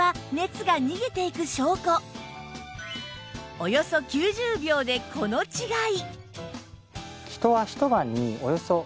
およそ９０秒でこの違い！